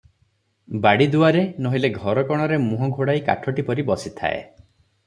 ବାଡ଼ିଦୁଆରେ, ନୋହିଲେ ଘରକୋଣରେ ମୁହଁ ଘୋଡାଇ କାଠଟି ପରି ବସିଥାଏ।